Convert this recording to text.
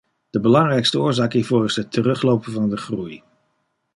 De belangrijkste oorzaak hiervoor is het teruglopen van de groei.